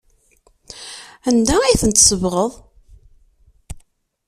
Anda ay tent-tsebɣeḍ?